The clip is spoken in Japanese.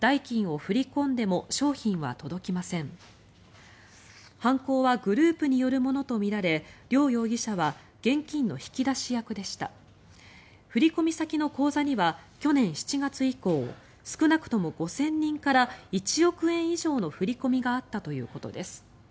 振込先の口座には去年７月以降少なくとも５０００人から１億円以上の振り込みがあったということです。